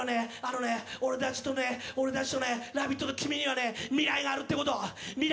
俺たちとね、俺たちとの「ラヴィット！」の君たちには未来があるってこと。